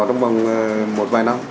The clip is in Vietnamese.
trong vòng một vài năm